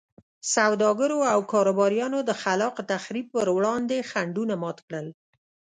سوداګرو او کاروباریانو د خلاق تخریب پر وړاندې خنډونه مات کړل.